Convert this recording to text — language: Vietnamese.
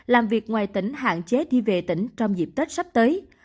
làm việc ngoài tỉnh hạn chế đi về tỉnh trong dịp tết sắp tới